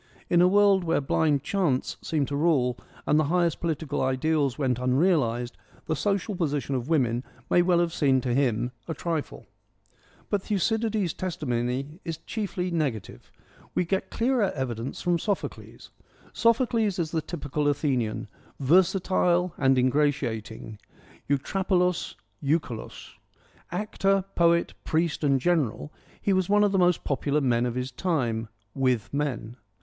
In a world where blind chance seemed to rule and the highest political ideals went unrealised, the social position of women may well have seemed to him a trifle. But Thucydides' testimony is chiefly negative : 80 FEMINISM IN GREEK LITERATURE we get clearer evidence from Sophocles. Sophocles is the typical Athenian, versatile and ingratiating, ' eutrapelos, eukolos.' Actor, poet, priest, and gen eral, he was one of the most popular men of his time — with men.